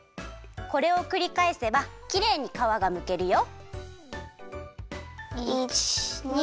これをくりかえせばきれいにかわがむけるよ。